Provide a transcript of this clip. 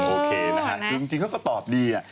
โอเคนะฮะคือจริงเขาก็ตอบดี